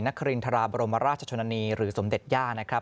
นักคบินธราบรมราชชนนีหรือสมเด็จย่า